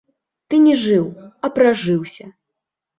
Ты не жыў, а пражыўся.